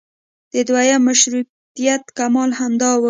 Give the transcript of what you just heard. د دویم مشروطیت کمال همدا و.